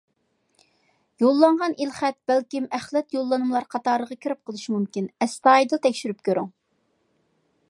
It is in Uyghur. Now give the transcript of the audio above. يوللانغان ئېلخەت بەلكىم ئەخلەت يوللانمىلار قاتارىغا كىرىپ قېلىشى مۇمكىن، ئەستايىدىل تەكشۈرۈپ كۆرۈڭ.